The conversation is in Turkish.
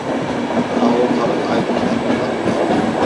Daha ortalık aydınlanmadan uyandı.